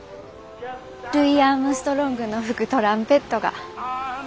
ルイ・アームストロングの吹くトランペットが。